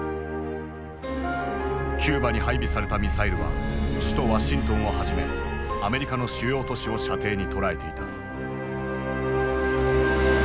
キューバに配備されたミサイルは首都ワシントンをはじめアメリカの主要都市を射程に捉えていた。